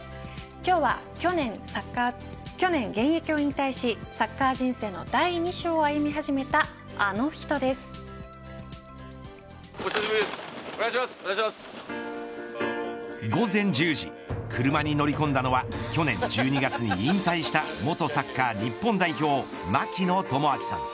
今日は、去年現役を引退しサッカー人生の第二章を歩み始めた午前１０時車に乗り込んだのは去年１２月に引退した元サッカー日本代表槙野智章さん。